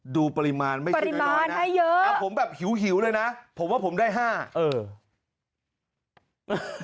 ดูปริมาณไม่ใช่ไกลนะอะผมแบบหิวเลยนะผมว่าผมได้๕อย่างหน่อย